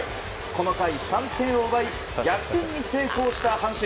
この回、３点を奪い逆転に成功した阪神。